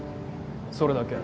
それだけ？